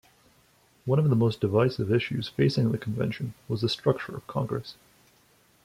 One of the most divisive issues facing the Convention was the structure of Congress.